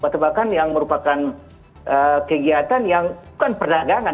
tebakan yang merupakan kegiatan yang bukan perdagangan